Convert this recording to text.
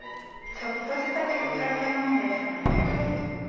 ちょっとしたきっかけなんですね。